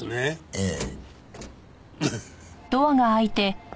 ええ。